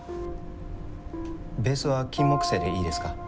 ベースはキンモクセイでいいですか？